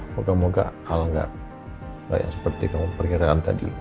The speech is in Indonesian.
moga moga al gak seperti yang kamu pikirkan tadi